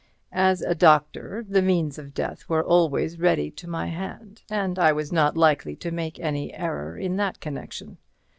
As a doctor, the means of death were always ready to my hand, and I was not likely to make any error in that connection.